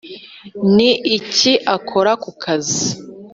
ni iki akora ku kazi?